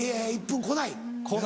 １分来ない。